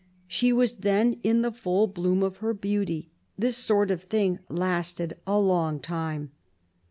She was then in the full bloom of her beauty. This sort of thing lasted a long time."